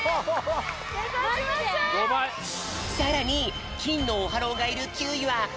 さらにきんのオハローがいる９いはええ！